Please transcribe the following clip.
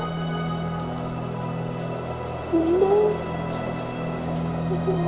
aku mau pulih ngerah